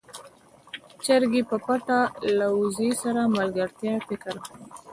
چرګې په پټه له وزې سره د ملګرتيا فکر کاوه.